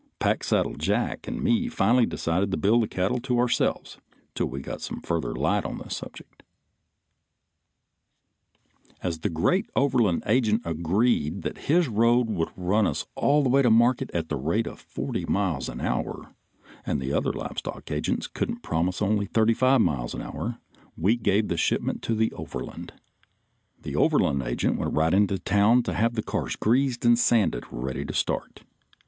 Packsaddle Jack and me finally decided to bill the cattle to ourselves till we got some further light on the subject. [Illustration: Scott Davis Leaving to Order the Cars, and to Grease and Sand Them.] As the great Overland agent agreed that his road would run us all the way to market at the rate of forty miles an hour and the other live stock agents couldn't promise only thirty five miles an hour, we gave the shipment to the Overland. The Overland agent went right into town to have the cars greased and sanded ready to start.